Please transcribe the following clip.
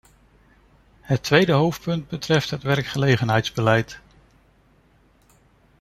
Het tweede hoofdpunt betreft het werkgelegenheidsbeleid.